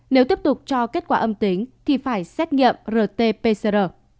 nếu tiếp tục cho kết quả âm tính thì phải xét nghiệm rt pcr